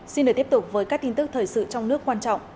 xin được tiếp tục với các tin tức thời sự trong nước quan trọng